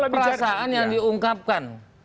perasaan yang diungkapkan